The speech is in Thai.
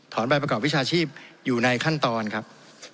ใบประกอบวิชาชีพอยู่ในขั้นตอนครับ